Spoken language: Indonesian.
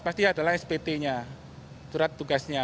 pasti adalah spt nya surat tugasnya